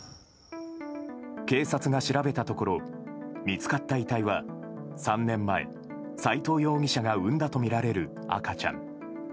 警察が調べたところ見つかった遺体は３年前、斎藤容疑者が産んだとみられる赤ちゃん。